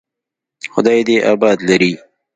خداى دې يې اباد لري.